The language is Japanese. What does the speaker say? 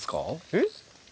えっ？